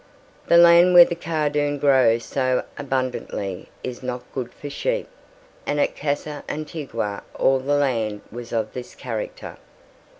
The land where the cardoon grows so abundantly is not good for sheep, and at Casa Antigua all the land was of this character.